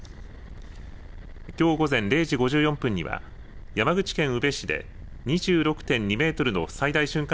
きょう午前０時５４分には山口県宇部市で２６．２メートルの最大瞬間